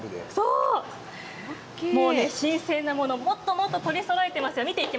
新鮮なもの、もっともっと取りそろえています。